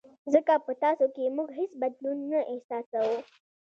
ځکه په تاسو کې موږ هېڅ بدلون نه احساسوو.